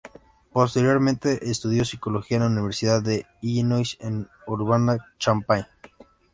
Posteriormente, estudió Psicología en la Universidad de Illinois en Urbana-Champaign.